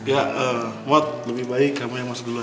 ya eh mod lebih baik kamu yang masuk duluan